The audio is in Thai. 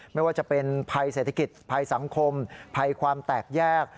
ไม่ว่าจะเป็นภัยเศรษฐกิจภัยสังคมภัยความแตกแยก